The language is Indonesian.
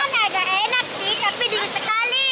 agak enak sih tapi dingin sekali